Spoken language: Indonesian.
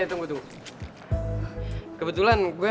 ini belum nyala ya